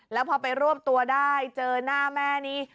แล้วพอไปรวบตัวได้เจอหน้าแม่นี่